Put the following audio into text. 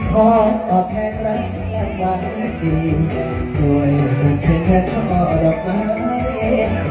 ขอขอแค่รักและหวังสีโดยเพียงแค่ช่องออกมาเมื่อ